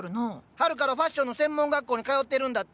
春からファッションの専門学校に通ってるんだって。